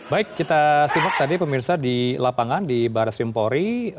baik kita simak tadi pemirsa di lapangan di barat srimpori